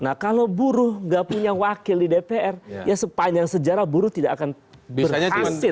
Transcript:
nah kalau buruh gak punya wakil di dpr ya sepanjang sejarah buruh tidak akan berhasil